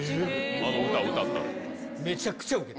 あの歌を歌ったって？